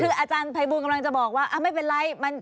คืออาจารย์ภัยบูลกำลังจะบอกว่าไม่เป็นไร